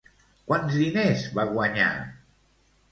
Quants diners va guanyar?